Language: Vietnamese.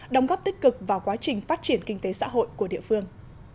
đóng góp tích cực vào quá trình phát triển kinh tế xã hội của địa phương